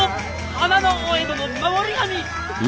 花のお江戸の守り神！